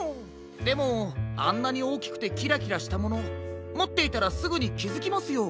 でもあんなにおおきくてキラキラしたものもっていたらすぐにきづきますよ。